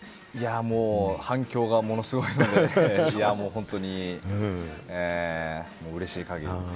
反響がものすごいので、本当にうれしい限りです。